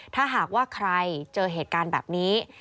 ถ้าหากว่าใครเจอเหตุการณ์แบบนี้